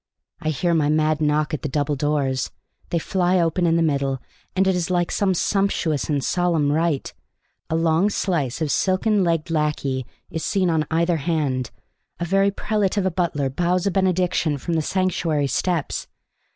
I hear my mad knock at the double doors; they fly open in the middle, and it is like some sumptuous and solemn rite. A long slice of silken legged lackey is seen on either hand; a very prelate of a butler bows a benediction from the sanctuary steps.